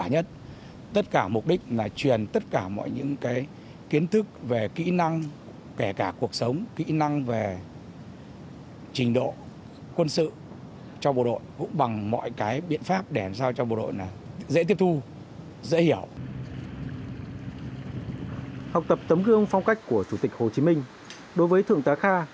học tập tấm gương phong cách của chủ tịch hồ chí minh đối với thương tá kha